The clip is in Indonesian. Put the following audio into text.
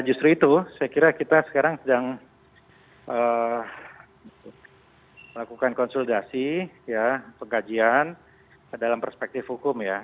ya justru itu saya kira kita sekarang sedang lakukan konsultasi ya pengajian dalam perspektif hukum ya